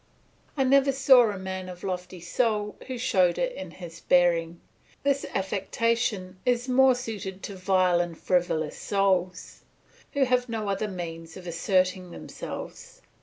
I never saw a man of lofty soul who showed it in his bearing; this affectation is more suited to vile and frivolous souls, who have no other means of asserting themselves.